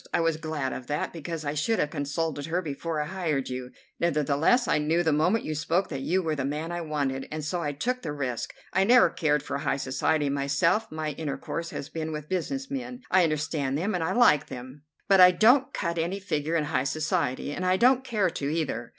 I was glad of that, because I should have consulted her before I hired you. Nevertheless, I knew the moment you spoke that you were the man I wanted, and so I took the risk. I never cared for high society myself; my intercourse has been with business men. I understand them, and I like them; but I don't cut any figure in high society, and I don't care to, either.